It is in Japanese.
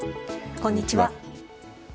こんにちは。